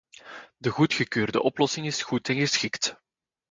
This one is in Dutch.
De goedgekeurde oplossing is goed en geschikt.